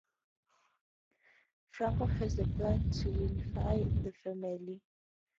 Franco has a plan to unify the families.